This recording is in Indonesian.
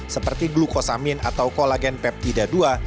seperti glukosamin atau kolagen peptida ii